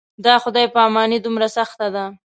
دا خدای پاماني دومره سخته ده.